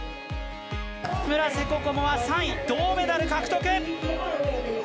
村瀬心椛は３位、銅メダル獲得。